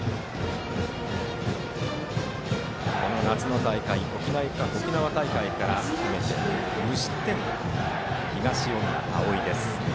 この夏の大会は沖縄大会から含めて無失点という東恩納蒼。